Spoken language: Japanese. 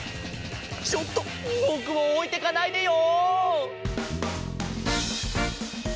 ちょっとぼくをおいてかないでよ！